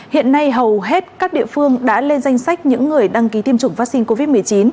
hiện nay hầu hết các địa phương đã lên danh sách những người đăng ký tiêm chủng vaccine covid một mươi chín